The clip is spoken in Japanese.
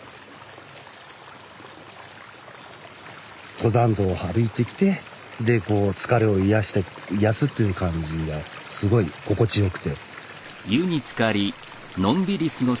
登山道を歩いてきてでこう疲れを癒やして癒やすっていう感じがすごい心地よくて。